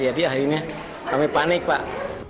jadi akhirnya kami panik pak